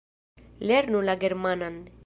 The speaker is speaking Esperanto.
Lernu la germanan!